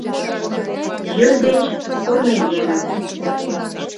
Йӱр деч корныеҥым.